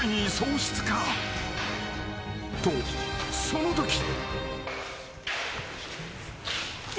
［とそのとき］